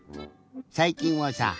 さいきんはさ